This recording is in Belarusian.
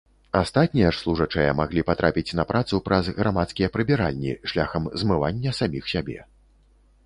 Астатнія ж служачыя маглі патрапіць на працу праз грамадскія прыбіральні шляхам змывання саміх сябе.